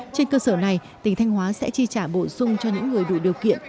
trên cơ sở này tỉnh thanh hóa sẽ chi trả bổ sung cho những người đủ điều kiện